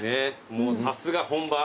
もうさすが本場。